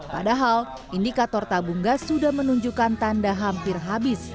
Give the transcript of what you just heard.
padahal indikator tabung gas sudah menunjukkan tanda hampir habis